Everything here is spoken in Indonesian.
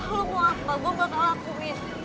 lo mau apa gue bakal lakuin